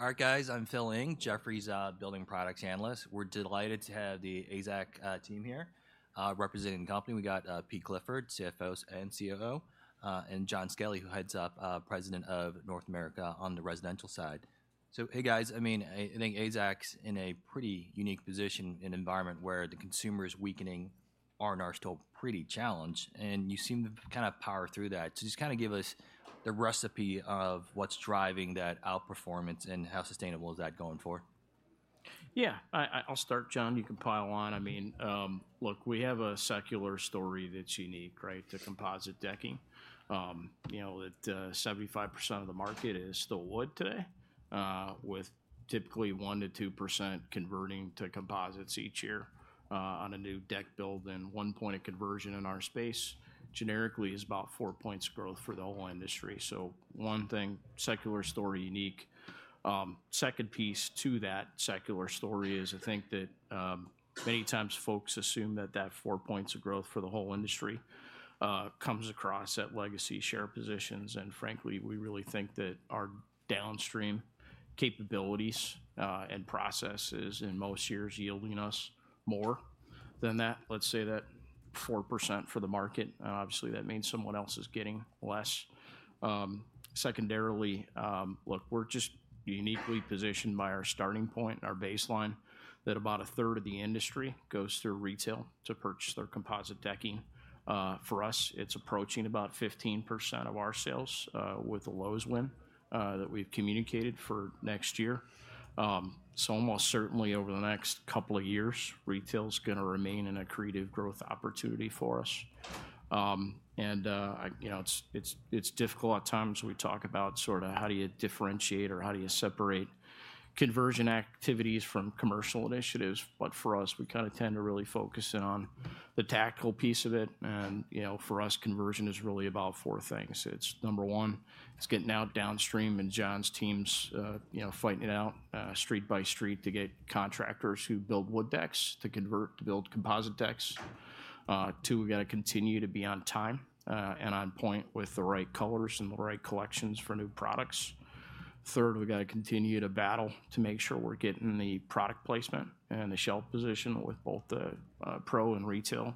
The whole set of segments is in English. All right, guys, I'm Phil Ng, Jefferies, building products analyst. We're delighted to have the AZEK team here. Representing the company, we got Pete Clifford, CFO and COO, and John Skelley, who heads up President of North America on the residential side. So hey, guys, I mean, I think AZEK's in a pretty unique position in an environment where the consumer's weakening, R&R's still pretty challenged, and you seem to kind of power through that. So just kinda give us the recipe of what's driving that outperformance, and how sustainable is that going forward? Yeah, I'll start. John, you can pile on. I mean, look, we have a secular story that's unique, right, to composite decking. You know, that 75% of the market is still wood today, with typically 1-2% converting to composites each year, on a new deck build, and one point of conversion in our space, generically, is about four points of growth for the whole industry. So one thing, secular story, unique. Second piece to that secular story is, I think that, many times folks assume that that four points of growth for the whole industry, comes across at legacy share positions, and frankly, we really think that our downstream capabilities, and processes in most years yielding us more than that. Let's say that 4% for the market, and obviously, that means someone else is getting less. Secondarily, look, we're just uniquely positioned by our starting point, our baseline, that about a third of the industry goes through retail to purchase their composite decking. For us, it's approaching about 15% of our sales, with the Lowe's win that we've communicated for next year. So almost certainly over the next couple of years, retail's gonna remain an accretive growth opportunity for us. And, you know, it's difficult at times we talk about sorta how do you differentiate or how do you separate conversion activities from commercial initiatives, but for us, we kinda tend to really focus in on the tactical piece of it, and, you know, for us, conversion is really about four things. It's number one, it's getting out downstream, and John's team, you know, fighting it out street by street to get contractors who build wood decks to convert to build composite decks. Two, we've gotta continue to be on time and on point with the right colors and the right collections for new products. Third, we've gotta continue to battle to make sure we're getting the product placement and the shelf position with both the pro and retail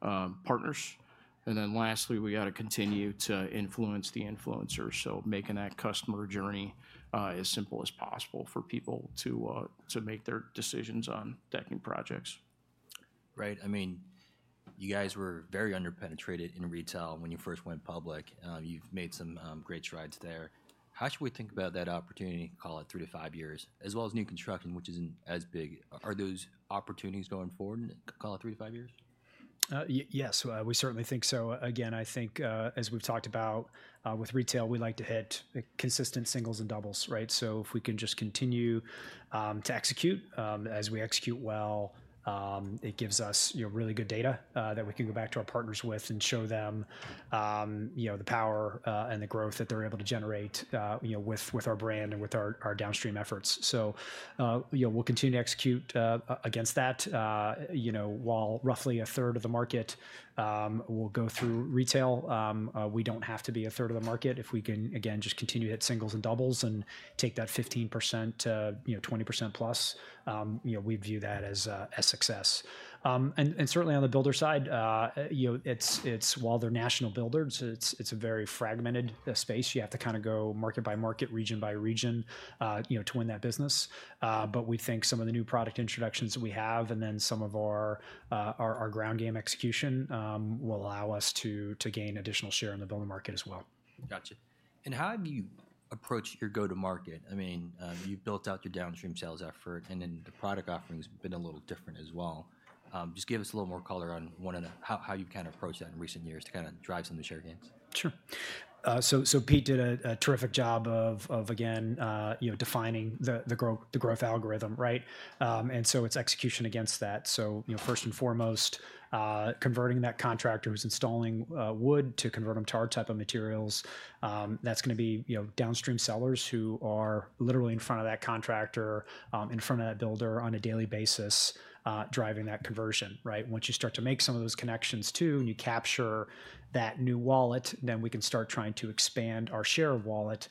partners. And then lastly, we gotta continue to influence the influencers, so making that customer journey as simple as possible for people to make their decisions on decking projects. Right. I mean, you guys were very under-penetrated in retail when you first went public. You've made some great strides there. How should we think about that opportunity, call it three to five years, as well as new construction, which isn't as big? Are those opportunities going forward in, call it, three to five years? Yes, we certainly think so. Again, I think, as we've talked about, with retail, we like to hit consistent singles and doubles, right? So if we can just continue to execute, as we execute well, it gives us, you know, really good data that we can go back to our partners with and show them, you know, the power and the growth that they're able to generate, you know, with our brand and with our downstream efforts. So, you know, we'll continue to execute against that. You know, while roughly a third of the market will go through retail, we don't have to be a third of the market. If we can, again, just continue to hit singles and doubles and take that 15% to, you know, 20% plus, you know, we view that as success. And certainly on the builder side, you know, it's. While they're national builders, it's a very fragmented space. You have to kinda go market by market, region by region, you know, to win that business. But we think some of the new product introductions that we have and then some of our ground game execution will allow us to gain additional share in the building market as well. Gotcha. And how have you approached your go-to-market? I mean, you've built out your downstream sales effort, and then the product offering's been a little different as well. Just give us a little more color on how you've kinda approached that in recent years to kinda drive some of the share gains. Sure. So Pete did a terrific job of, again, you know, defining the growth algorithm, right? And so it's execution against that. So, you know, first and foremost, converting that contractor who's installing wood to convert them to our type of materials, that's gonna be, you know, downstream sellers who are literally in front of that contractor, in front of that builder on a daily basis, driving that conversion, right? Once you start to make some of those connections too, and you capture that new wallet, then we can start trying to expand our share of wallet,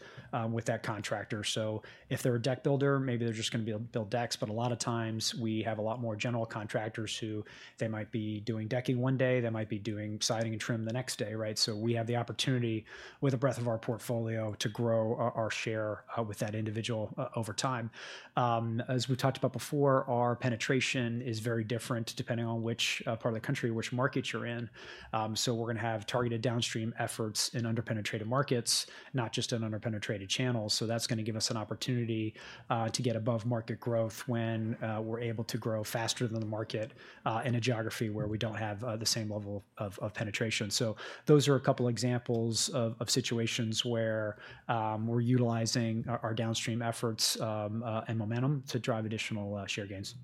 with that contractor. So if they're a deck builder, maybe they're just gonna build decks, but a lot of times, we have a lot more general contractors who they might be doing decking one day, they might be doing siding and trim the next day, right? So we have the opportunity, with the breadth of our portfolio, to grow our share with that individual over time. As we talked about before, our penetration is very different depending on which part of the country, which market you're in. So we're gonna have targeted downstream efforts in under-penetrated markets, not just in under-penetrated channels, so that's gonna give us an opportunity to get above-market growth when we're able to grow faster than the market in a geography where we don't have the same level of penetration. So those are a couple examples of situations where we're utilizing our downstream efforts and momentum to drive additional share gains.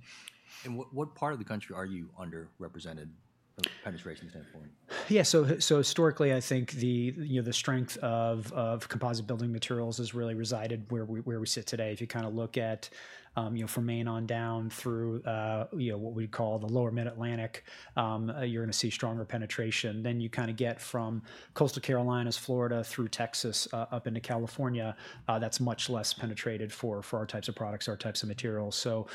And what, what part of the country are you underrepresented from a penetration standpoint? Yeah, so historically, I think the, you know, the strength of composite building materials has really resided where we sit today. If you kinda look at, you know, from Maine on down through, you know, what we'd call the lower Mid-Atlantic, you're gonna see stronger penetration. Then you kinda get from coastal Carolinas, Florida, through Texas, up into California, that's much less penetrated for our types of products, our types of materials. So,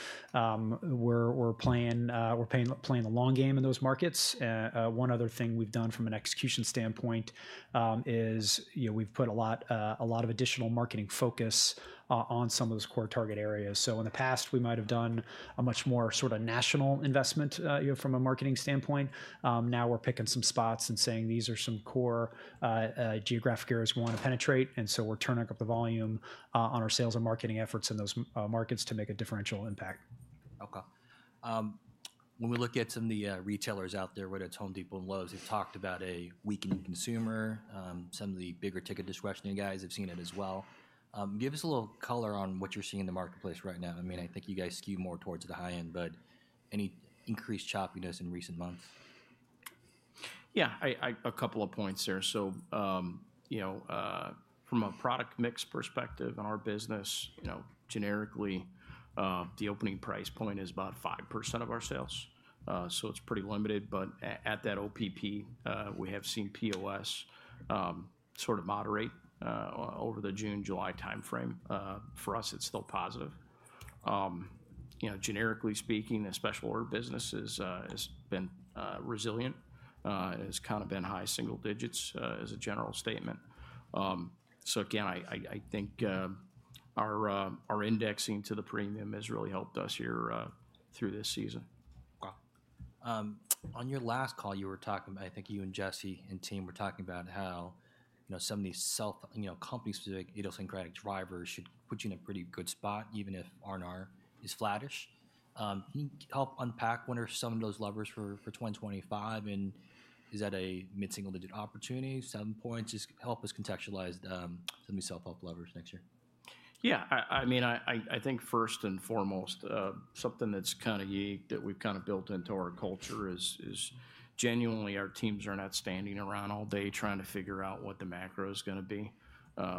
we're playing the long game in those markets. One other thing we've done from an execution standpoint is, you know, we've put a lot of additional marketing focus on some of those core target areas. So in the past, we might have done a much more sorta national investment, you know, from a marketing standpoint. Now we're picking some spots and saying, "These are some core geographic areas we wanna penetrate," and so we're turning up the volume on our sales and marketing efforts in those markets to make a differential impact. When we look at some of the retailers out there, whether it's Home Depot and Lowe's, they've talked about a weakening consumer. Some of the bigger ticket discretionary guys have seen it as well. Give us a little color on what you're seeing in the marketplace right now. I mean, I think you guys skew more towards the high end, but any increased choppiness in recent months? Yeah, a couple of points there. So, you know, from a product mix perspective, in our business, you know, generically, the opening price point is about 5% of our sales. So it's pretty limited, but at that OPP, we have seen POS sort of moderate over the June, July timeframe. For us, it's still positive. You know, generically speaking, the special order business has been resilient. It has kind of been high single digits, as a general statement. So again, I think our indexing to the premium has really helped us here through this season. On your last call, you were talking. I think you and Jesse and team were talking about how, you know, some of these company-specific idiosyncratic drivers should put you in a pretty good spot, even if R&R is flattish. Can you help unpack what are some of those levers for 2025, and is that a mid-single-digit opportunity, seven points? Just help us contextualize some of the self-help levers next year. Yeah, I mean, I think first and foremost, something that's kind of unique that we've kind of built into our culture is genuinely our teams are not standing around all day trying to figure out what the macro is gonna be.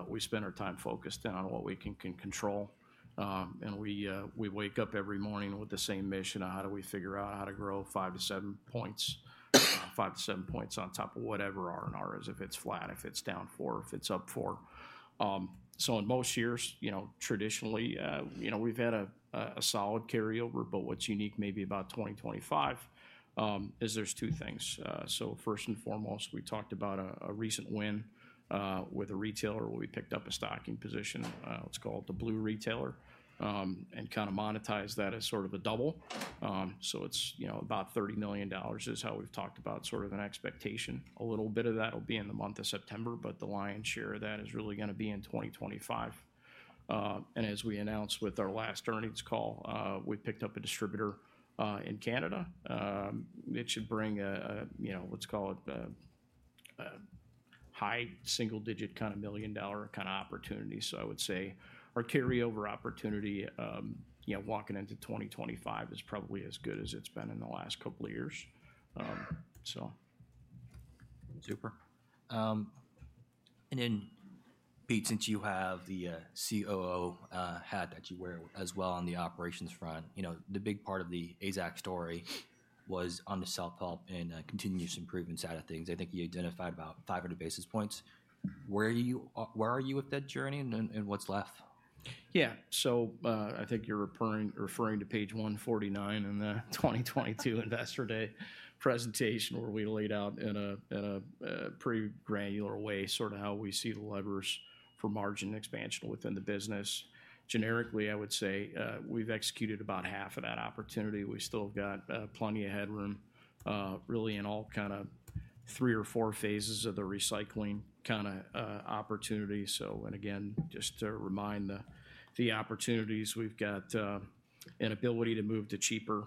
We spend our time focused in on what we can control, and we wake up every morning with the same mission of: how do we figure out how to grow five to seven points on top of whatever R&R is, if it's flat, if it's down four, if it's up four? So in most years, you know, traditionally, you know, we've had a solid carryover, but what's unique maybe about twenty twenty-five is there's two things. So first and foremost, we talked about a recent win with a retailer, where we picked up a stocking position, what's called the blue retailer, and kind of monetized that as sort of a double. So it's, you know, about $30 million is how we've talked about sort of an expectation. A little bit of that will be in the month of September, but the lion's share of that is really gonna be in 2025. And as we announced with our last earnings call, we picked up a distributor in Canada. It should bring a, you know, let's call it a high single digit, kind of million-dollar kind of opportunity. I would say our carryover opportunity, you know, walking into 2025 is probably as good as it's been in the last couple of years. Super. And then, Pete, since you have the COO hat that you wear as well on the operations front, you know, the big part of the AZEK story was on the self-help and continuous improvement side of things. I think you identified about 500 basis points. Where are you with that journey, and what's left? Yeah. So, I think you're referring to page 149 in the 2022 Investor Day presentation, where we laid out in a pretty granular way, sort of how we see the levers for margin expansion within the business. Generically, I would say, we've executed about half of that opportunity. We've still got plenty of headroom, really, in all kind of three or four phases of the recycling kind of opportunity. So and again, just to remind the opportunities, we've got an ability to move to cheaper,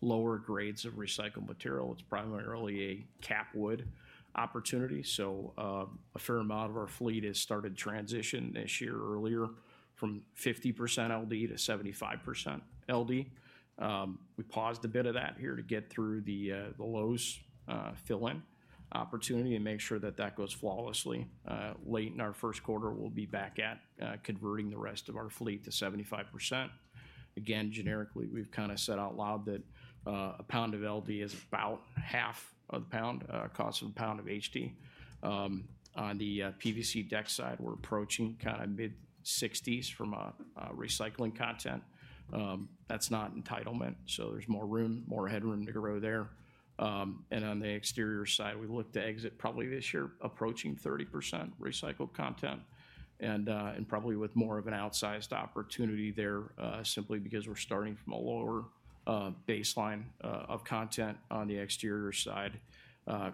lower grades of recycled material. It's primarily a capped wood opportunity, so a fair amount of our fleet has started transition this year earlier from 50% LD-75% LD. We paused a bit of that here to get through the Lowe's fill-in opportunity and make sure that that goes flawlessly. Late in our first quarter, we'll be back at converting the rest of our fleet to 75%. Again, generically, we've kind of said out loud that a pound of LD is about half of the pound cost of a pound of HD. On the PVC deck side, we're approaching kind of mid-60s% from a recycling content. That's not entitlement, so there's more room, more headroom to grow there. And on the exterior side, we look to exit probably this year, approaching 30% recycled content and probably with more of an outsized opportunity there, simply because we're starting from a lower baseline of content on the exterior side.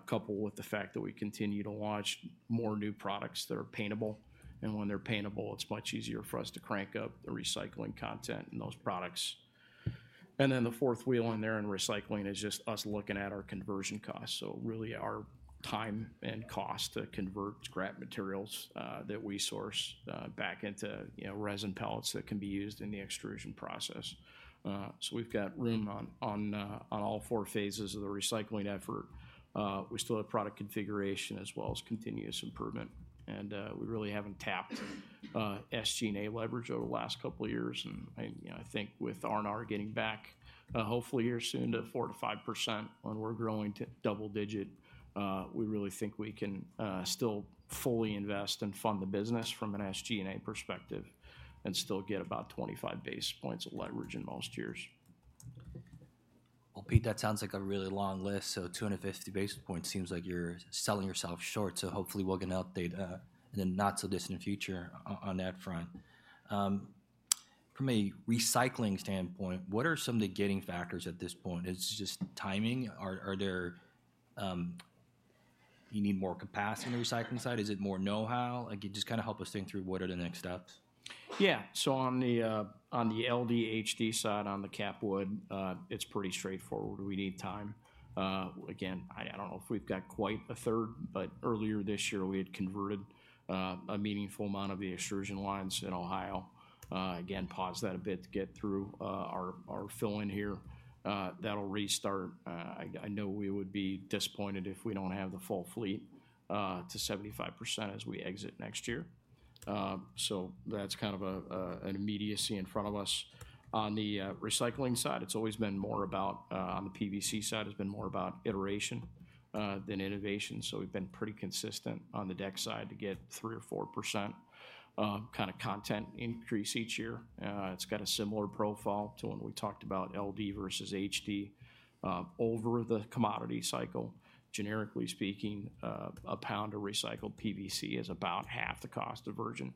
Coupled with the fact that we continue to launch more new products that are paintable, and when they're paintable, it's much easier for us to crank up the recycling content in those products. And then the fourth wheel in there in recycling is just us looking at our conversion costs, so really our time and cost to convert scrap materials that we source back into, you know, resin pellets that can be used in the extrusion process. So we've got room on all four phases of the recycling effort. We still have product configuration as well as continuous improvement, and we really haven't tapped SG&A leverage over the last couple of years. You know, I think with R&R getting back, hopefully here soon to 4-5% when we're growing to double digit, we really think we can still fully invest and fund the business from an SG&A perspective and still get about 25 basis points of leverage in most years. Well, Pete, that sounds like a really long list, so 250 basis points seems like you're selling yourself short. So hopefully we'll get an update in the not-so-distant future on that front. From a recycling standpoint, what are some of the gating factors at this point? It's just timing? Are there? Do you need more capacity on the recycling side? Is it more know-how? Like, could you just kind of help us think through what are the next steps? Yeah. So on the LD/HD side, on the Cap Wood, it's pretty straightforward. We need time. Again, I don't know if we've got quite a third, but earlier this year, we had converted a meaningful amount of the extrusion lines in Ohio. Again, paused that a bit to get through our fill-in here. That'll restart. I know we would be disappointed if we don't have the full fleet to 75% as we exit next year. So that's kind of an immediacy in front of us. On the recycling side, it's always been more about on the PVC side, it's been more about iteration than innovation. So we've been pretty consistent on the deck side to get 3% or 4% kind of content increase each year. It's got a similar profile to when we talked about LD versus HD. Over the commodity cycle, generically speaking, a pound of recycled PVC is about half the cost of virgin.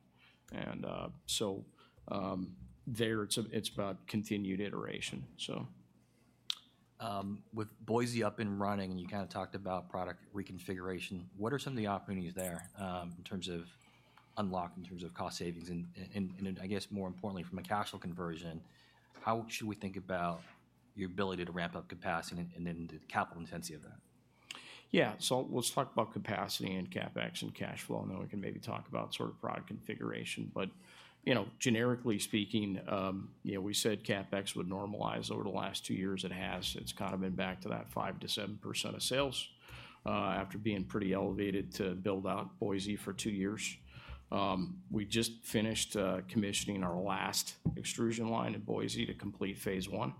It's about continued iteration, so. With Boise up and running, you kind of talked about product reconfiguration. What are some of the opportunities there, in terms of unlock, in terms of cost savings? And I guess more importantly, from a cash flow conversion, how should we think about your ability to ramp up capacity and then the capital intensity of that? Yeah, so let's talk about capacity and CapEx, and cash flow, and then we can maybe talk about sort of product configuration. But, you know, generically speaking, you know, we said CapEx would normalize. Over the last two years it has. It's kind of been back to that 5%-7% of sales, after being pretty elevated to build out Boise for two years. We just finished commissioning our last extrusion line in Boise to complete phase one.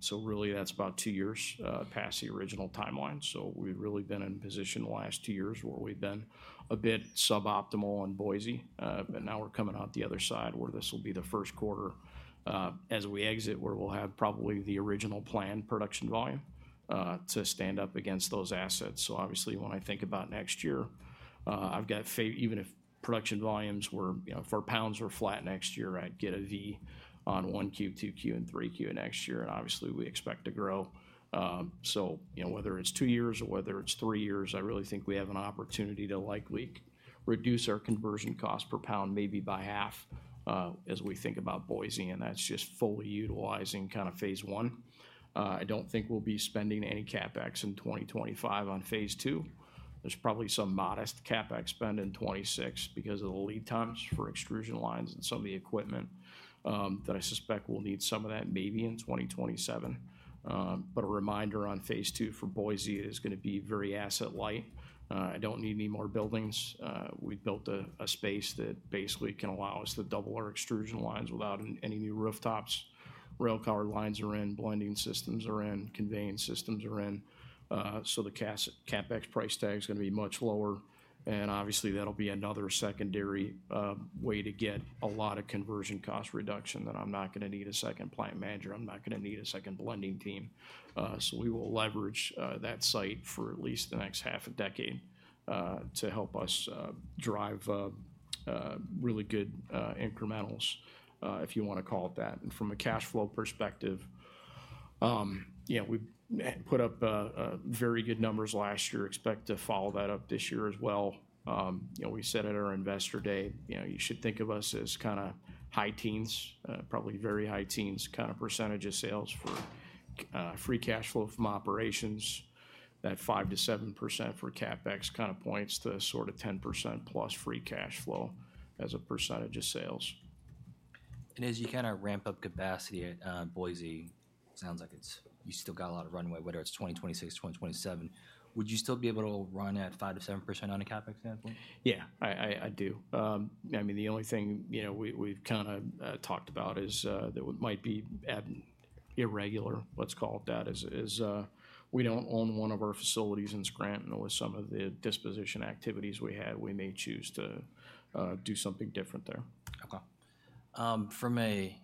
So really, that's about two years past the original timeline. So we've really been in position the last two years, where we've been a bit suboptimal in Boise. But now we're coming out the other side, where this will be the first quarter as we exit, where we'll have probably the original planned production volume to stand up against those assets. So obviously, when I think about next year, I've got Even if production volumes were... You know, if our pounds were flat next year, I'd get a V on one Q, two Q, and three Q next year, and obviously, we expect to grow. So, you know, whether it's two years or whether it's three years, I really think we have an opportunity to likely reduce our conversion cost per pound maybe by half, as we think about Boise, and that's just fully utilizing kind of phase one. I don't think we'll be spending any CapEx in 2025 on phase two. There's probably some modest CapEx spend in 2026 because of the lead times for extrusion lines and some of the equipment, that I suspect we'll need some of that, maybe in 2027. But a reminder on phase two for Boise, it is gonna be very asset light. I don't need any more buildings. We've built a space that basically can allow us to double our extrusion lines without any new rooftops. Railcar lines are in, blending systems are in, conveyance systems are in, so the CapEx price tag is gonna be much lower. And obviously, that'll be another secondary way to get a lot of conversion cost reduction, that I'm not gonna need a second plant manager, I'm not gonna need a second blending team. So we will leverage that site for at least the next half a decade to help us drive really good incremental, if you wanna call it that. From a cash flow perspective, yeah, we've put up very good numbers last year. Expect to follow that up this year as well. You know, we said at our Investor Day, you know, you should think of us as kind of high teens, probably very high teens, kind of % of sales for free cash flow from operations. That 5%-7% for CapEx kind of points to a sort of 10% plus free cash flow as a % of sales. As you kind of ramp up capacity at Boise, it sounds like you've still got a lot of runway, whether it's 2026, 2027. Would you still be able to run at 5%-7% on a CapEx standpoint? Yeah, I do. I mean, the only thing, you know, we've kind of talked about is that might be at irregular, let's call it that, is we don't own one of our facilities in Scranton, or some of the disposition activities we had, we may choose to do something different there. Okay. From a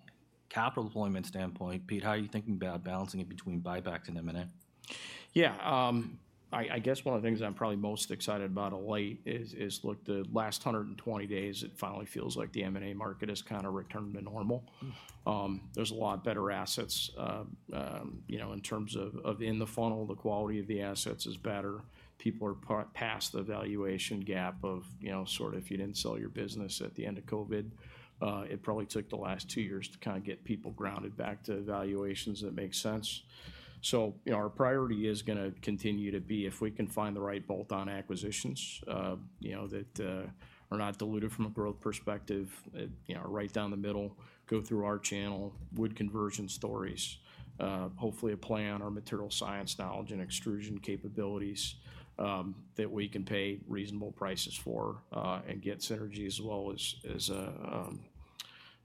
capital deployment standpoint, Pete, how are you thinking about balancing it between buybacks and M&A? Yeah, I guess one of the things I'm probably most excited about of late is, look, the last hundred and twenty days, it finally feels like the M&A market has kind of returned to normal. There's a lot better assets, you know, in terms of in the funnel, the quality of the assets is better. People are past the valuation gap of, you know, sort of, if you didn't sell your business at the end of COVID, it probably took the last two years to kind of get people grounded back to valuations that make sense. So, you know, our priority is gonna continue to be, if we can find the right bolt-on acquisitions, you know, that are not diluted from a growth perspective, you know, right down the middle, go through our channel, wood conversion stories. Hopefully, a play on our material science knowledge and extrusion capabilities, that we can pay reasonable prices for, and get synergy, as well as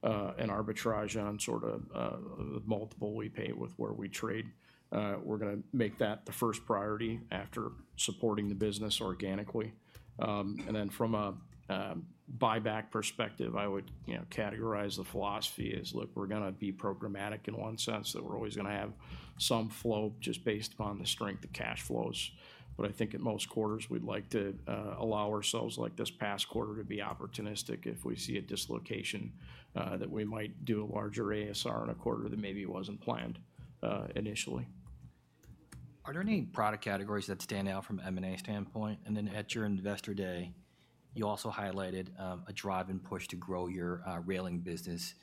an arbitrage on sort of the multiple we pay with where we trade. We're gonna make that the first priority after supporting the business organically. And then from a buyback perspective, I would, you know, categorize the philosophy as, look, we're gonna be programmatic in one sense, that we're always gonna have some flow just based upon the strength of cash flows. But I think in most quarters, we'd like to allow ourselves, like this past quarter, to be opportunistic if we see a dislocation, that we might do a larger ASR in a quarter that maybe wasn't planned, initially.... Are there any product categories that stand out from an M&A standpoint? And then at your Investor Day, you also highlighted a drive and push to grow your railing business.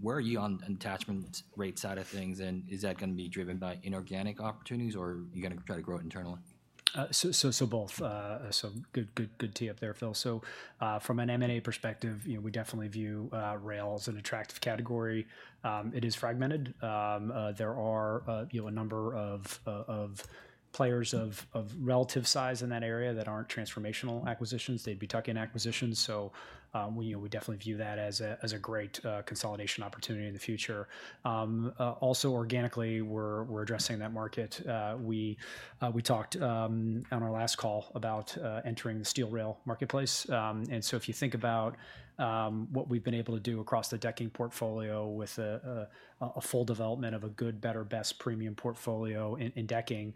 Where are you on attachment rate side of things, and is that gonna be driven by inorganic opportunities, or are you gonna try to grow it internally? So both. So good tee up there, Phil. So from an M&A perspective, you know, we definitely view rail as an attractive category. It is fragmented. There are, you know, a number of players of relative size in that area that aren't transformational acquisitions. They'd be tuck-in acquisitions. So we, you know, we definitely view that as a great consolidation opportunity in the future. Also, organically, we're addressing that market. We talked on our last call about entering the steel rail marketplace. And so if you think about what we've been able to do across the decking portfolio with a full development of a good, better, best premium portfolio in decking,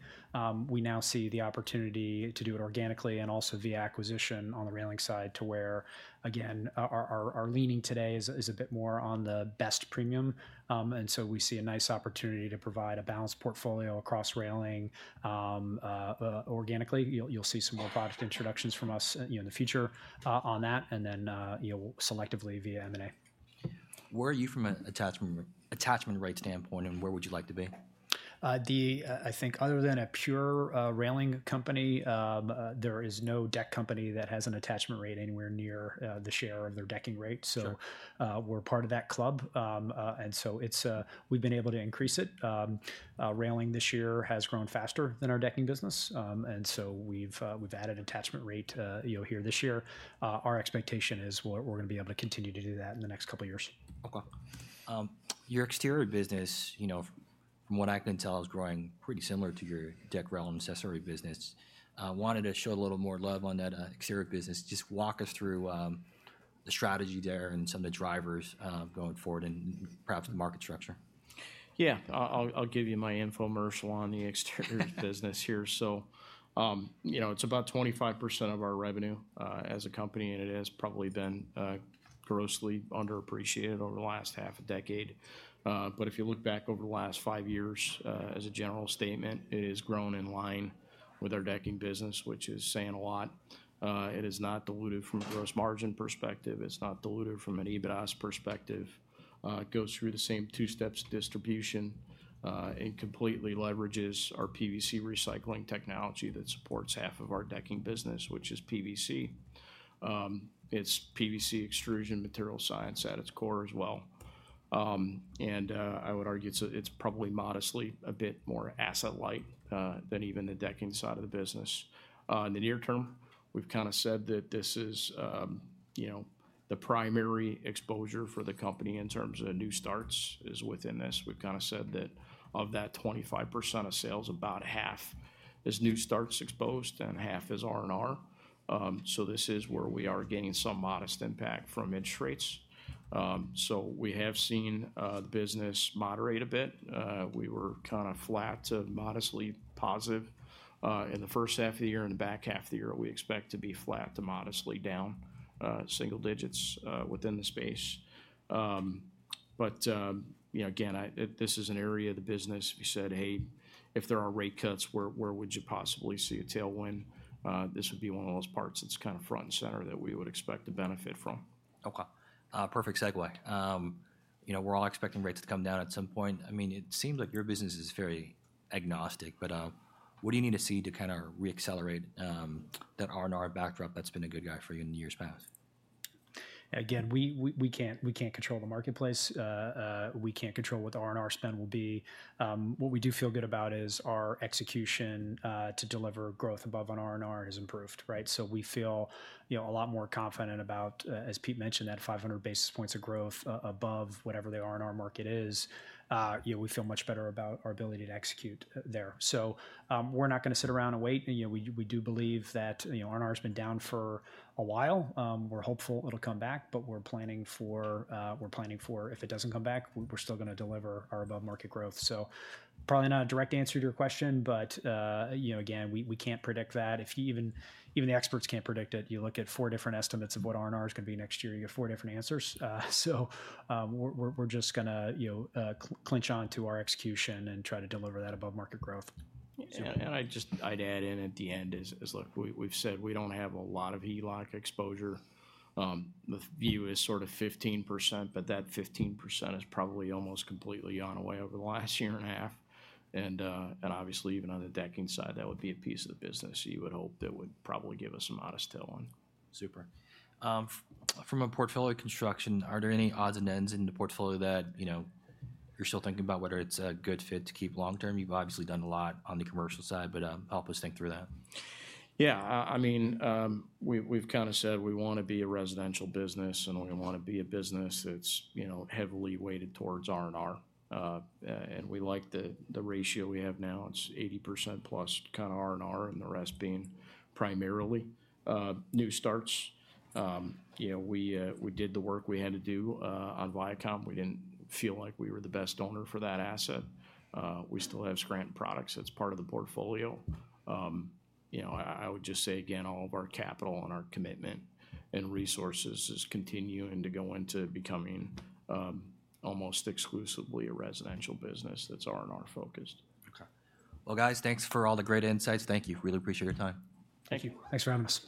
we now see the opportunity to do it organically and also via acquisition on the railing side to where, again, our leaning today is a bit more on the best premium. And so we see a nice opportunity to provide a balanced portfolio across railing. Organically, you'll see some more product introductions from us, you know, in the future, on that, and then, you know, selectively via M&A. Where are you from an attachment rate standpoint, and where would you like to be? I think other than a pure railing company, there is no deck company that has an attachment rate anywhere near the share of their decking rate. Sure. We're part of that club. We've been able to increase it. Railing this year has grown faster than our decking business. We've added attachment rate, you know, here this year. Our expectation is we're gonna be able to continue to do that in the next couple of years. Okay. Your exterior business, you know, from what I can tell, is growing pretty similar to your deck, rail, and accessory business. I wanted to show a little more love on that exterior business. Just walk us through the strategy there and some of the drivers going forward and perhaps the market structure. Yeah, I'll give you my infomercial on the exterior business here. So, you know, it's about 25% of our revenue, as a company, and it has probably been grossly underappreciated over the last half a decade. But if you look back over the last five years, as a general statement, it has grown in line with our decking business, which is saying a lot. It is not diluted from a gross margin perspective. It's not diluted from an EBITDA perspective. It goes through the same two steps distribution, and completely leverages our PVC recycling technology that supports half of our decking business, which is PVC. It's PVC extrusion material science at its core as well. I would argue it's probably modestly a bit more asset light than even the decking side of the business. In the near term, we've kinda said that this is, you know, the primary exposure for the company in terms of new starts is within this. We've kinda said that of that 25% of sales, about half is new starts exposed and half is R&R. This is where we are gaining some modest impact from interest rates. We have seen the business moderate a bit. We were kinda flat to modestly positive in the first half of the year. In the back half of the year, we expect to be flat to modestly down single digits within the space. But, you know, again, I... This is an area of the business, we said, "Hey, if there are rate cuts, where would you possibly see a tailwind?" This would be one of those parts that's kinda front and center that we would expect to benefit from. Okay, perfect segue. You know, we're all expecting rates to come down at some point. I mean, it seems like your business is very agnostic, but, what do you need to see to kinda reaccelerate, that R&R backdrop that's been a good guy for you in years past? Again, we can't control the marketplace. We can't control what the R&R spend will be. What we do feel good about is our execution to deliver growth above on R&R has improved, right? So we feel, you know, a lot more confident about, as Pete mentioned, that five hundred basis points of growth above whatever the R&R market is. You know, we feel much better about our ability to execute there. So, we're not gonna sit around and wait. You know, we do believe that, you know, R&R's been down for a while. We're hopeful it'll come back, but we're planning for... we're planning for if it doesn't come back, we're still gonna deliver our above-market growth. So probably not a direct answer to your question, but, you know, again, we can't predict that. If even the experts can't predict it, you look at four different estimates of what R&R is gonna be next year, you get four different answers. We're just gonna, you know, clench on to our execution and try to deliver that above-market growth. And I'd add in at the end is, look, we've said we don't have a lot of HELOC exposure. The view is sort of 15%, but that 15% is probably almost completely gone away over the last year and a half. And obviously, even on the decking side, that would be a piece of the business you would hope that would probably give us some modest tailwind. Super. From a portfolio construction, are there any odds and ends in the portfolio that, you know, you're still thinking about whether it's a good fit to keep long term? You've obviously done a lot on the commercial side, but, help us think through that. Yeah, I mean, we've kinda said we wanna be a residential business, and we wanna be a business that's, you know, heavily weighted towards R&R. And we like the ratio we have now. It's 80% plus kinda R&R, and the rest being primarily new starts. You know, we did the work we had to do on Vycom. We didn't feel like we were the best owner for that asset. We still have Scranton Products. That's part of the portfolio. You know, I would just say again, all of our capital and our commitment and resources is continuing to go into becoming almost exclusively a residential business that's R&R focused. Okay. Well, guys, thanks for all the great insights. Thank you. Really appreciate your time. Thank you. Thanks for having us.